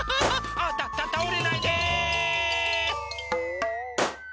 ああたたおれないで。